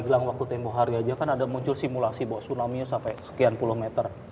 gelang waktu tempoh hari aja kan ada muncul simulasi boksunomius sampai sekian puluh meter